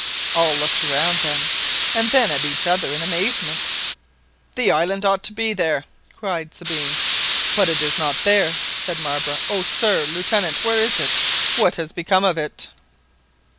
All looked around them, and then at each other in amazement. "The island ought to be there!" cried Sabine. "But it is not there," said Marbre. "Oh, sir—Lieutenant—where is it? what has become of it?"